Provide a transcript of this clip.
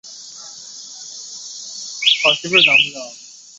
其后当无线电视艺人。